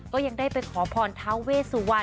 ก็ยังได้ไปขอพรธาวเวซวัน